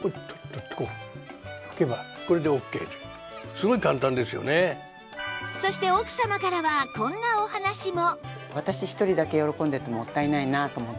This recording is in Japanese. そしてそして奥様からはこんなお話も